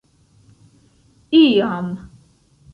iam